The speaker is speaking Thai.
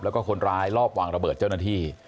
แล้วก็คนร้ายรอบวางระเบิดเจ้าหน้าที่